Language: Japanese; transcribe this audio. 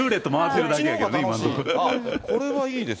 これはいいですね。